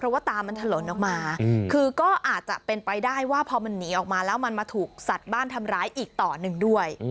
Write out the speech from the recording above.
ว่าตามันถล่นออกมาคือก็อาจจะเป็นไปได้ว่าพอมันหนีออกมาแล้วมันมาถูกสัตว์บ้านทำร้ายอีกต่อหนึ่งด้วย